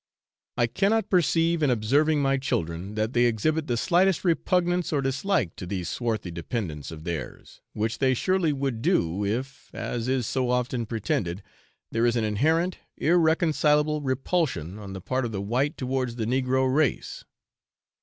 I cannot perceive in observing my children, that they exhibit the slightest repugnance or dislike to these swarthy dependents of theirs, which they surely would do if, as is so often pretended, there is an inherent, irreconcilable repulsion on the part of the white towards the negro race.